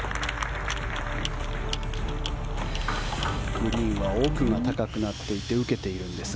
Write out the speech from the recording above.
グリーンは奥が高くなっていて受けているんですが。